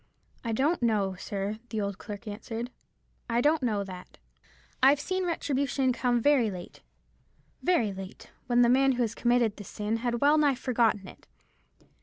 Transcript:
"I don't know, sir," the old clerk answered; "I don't know that. I've seen retribution come very late, very late; when the man who committed the sin had well nigh forgotten it.